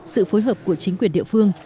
sự phối hợp của chính quyền địa phương